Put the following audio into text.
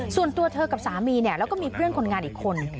ส่วนตัวเธอกับสามีเนี่ยแล้วก็มีเพื่อนคนงานอีกคน